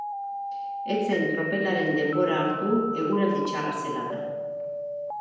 Ez zen tropelaren denbora hartu eguraldi txarra zela eta.